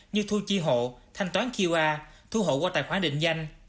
như thu chi hộ thanh toán qr thu hộ qua tài khoản định danh